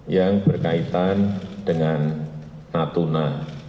yang berkaitan dengan natuna